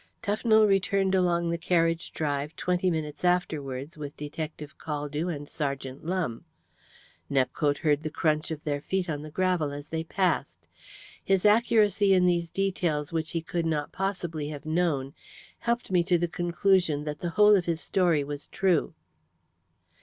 Tufnell returned along the carriage drive twenty minutes afterwards with Detective Caldew and Sergeant Lumbe. Nepcote heard the crunch of their feet on the gravel as they passed. His accuracy in these details which he could not possibly have known helped me to the conclusion that the whole of his story was true."